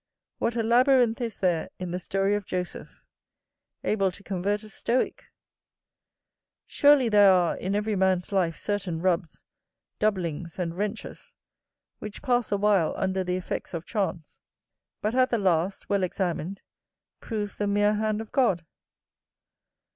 What a labyrinth is there in the story of Joseph! able to convert a stoick. Surely there are in every man's life certain rubs, doublings, and wrenches, which pass a while under the effects of chance; but at the last, well examined, prove the mere hand of God.